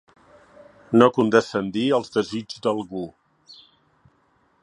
No condescendir als desigs d'algú.